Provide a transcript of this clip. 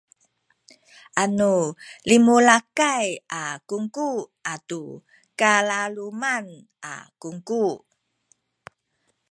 anu limulakay a kungku atu kalaluman a kungku